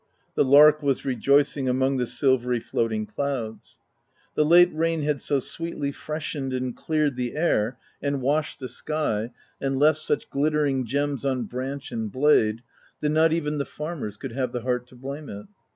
The lark was rejoicing among the silvery floating clouds. The late rain had so sweetly freshened and cleared the air, and washed the sky, and left such glittering gems on branch and blade, that not even the farmers could have the heart to blame it.